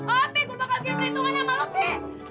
opi gue bakal kirim perhitungannya sama lo pi